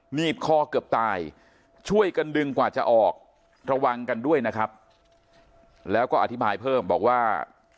ีบคอเกือบตายช่วยกันดึงกว่าจะออกระวังกันด้วยนะครับแล้วก็อธิบายเพิ่มบอกว่า